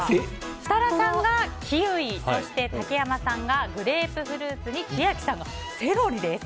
設楽さんがキウイ竹山さんがグレープフルーツに千秋さんがセロリです。